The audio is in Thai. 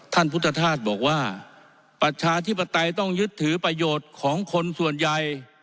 ท่านพุทธธาตุบอกว่าประชาธิปไตยต้องยึดถือประโยชน์ของคนส่วนใหญ่